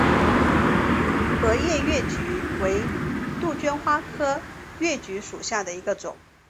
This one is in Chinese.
耳叶越桔为杜鹃花科越桔属下的一个种。